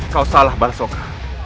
kau salah balasoka